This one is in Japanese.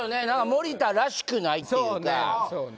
森田らしくないっていうかそうね